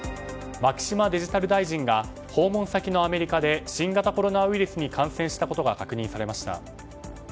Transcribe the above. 牧島デジタル大臣が訪問先のアメリカで新型コロナウイルスに感染したことが確認されました。